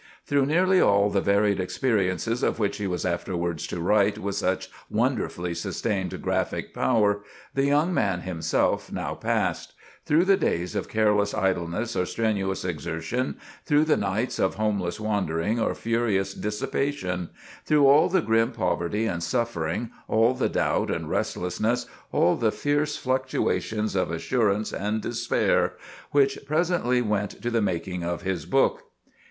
Through nearly all the varied experiences of which he was afterwards to write with such wonderfully sustained graphic power, the young man himself now passed; through the days of careless idleness or strenuous exertion; through the nights of homeless wandering or furious dissipation; through all the grim poverty and suffering, all the doubt and restlessness, all the fierce fluctuations of assurance and despair, which presently went to the making of his book.